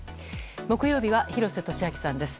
木曜日は廣瀬俊朗さんです。